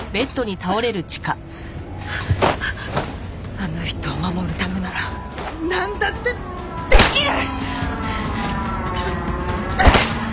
あの人を守るためならなんだってできる！